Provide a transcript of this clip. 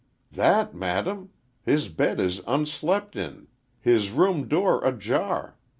"That, madam. His bed is unslept in. His room door ajar.